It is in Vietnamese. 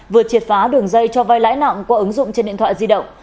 vừa triệt phá đường dây cho vai lãi nặng qua ứng dụng trên điện thoại di động